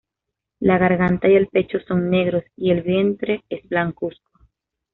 La garganta y el pecho son negros y el vientre es blancuzco.